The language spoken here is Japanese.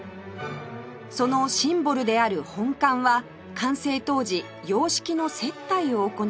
そのシンボルである本館は完成当時洋式の接待を行う会食所でした